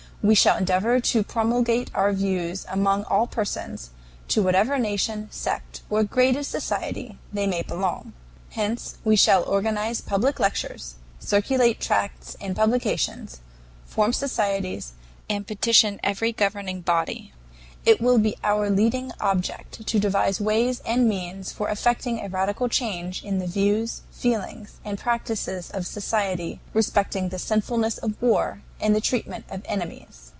We shall endeavor to promulgate our views among all persons, to whatever nation, sect, or grade of society they may belong. Hence we shall organize public lectures, circulate tracts and publications, form societies, and petition every governing body. It will be our leading object to devise ways and means for effecting a radical change in the views, feelings, and practices of society respecting the sinfulness of war and the treatment of enemies.